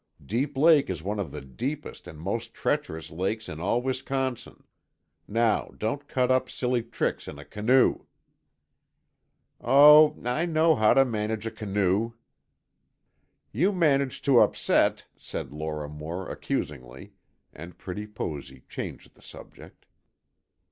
Deep Lake is one of the deepest and most treacherous lakes in all Wisconsin. Now, don't cut up silly tricks in a canoe." "Oh, I know how to manage a canoe." "You managed to upset," said Lora Moore, accusingly, and pretty Posy changed the subject.